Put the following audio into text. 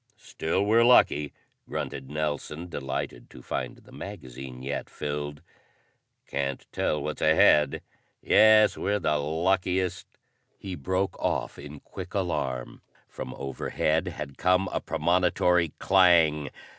"Still we're lucky," grunted Nelson, delighted to find the magazine yet filled. "Can't tell what's ahead. Yes, we're the luckiest " He broke off in quick alarm. From overhead had come a premonitory clang!